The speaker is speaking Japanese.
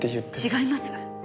違います！